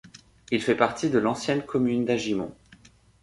Il fait partie de l'ancienne commune d'Agimont.